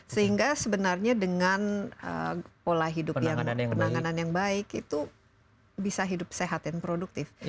sehingga sebenarnya dengan pola hidup yang penanganan yang baik itu bisa hidup sehat dan produktif